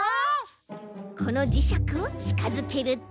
このじしゃくをちかづけると。